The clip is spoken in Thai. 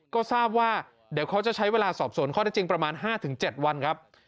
ก็ทราบว่าเดี๋ยวเขาจะใช้เวลาสอบสวนข้อได้จริงประมาณ๕๗วันครับ